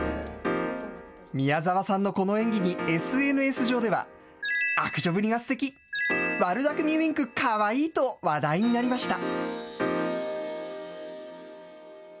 宮沢さんのこの演技にＳＮＳ上では、悪女ぶりがすてき、悪だくみウインクかわいいと話題になりました。